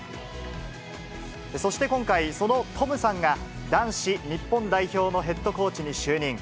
そして今回、そのトムさんが、男子日本代表のヘッドコーチに就任。